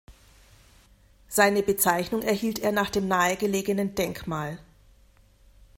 Seine Bezeichnung erhielt er nach dem nahe gelegenen Denkmal.